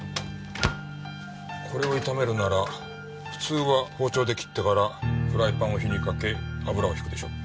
これを炒めるなら普通は包丁で切ってからフライパンを火にかけ油を引くでしょう。